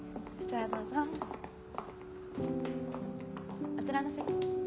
あちらの席に。